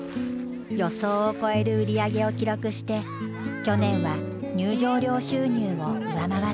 予想を超える売り上げを記録して去年は入場料収入を上回った。